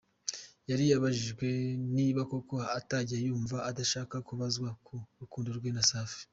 Yari abajijwe niba koko atajya yumva adashaka kubazwa ku rukundo rwe na Safi.